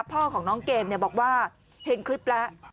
พ่อของน้องเกมบอกว่าเห็นคลิปแล้ว